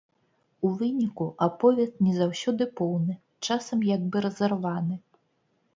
У выніку аповед не заўсёды поўны, часам як бы разарваны.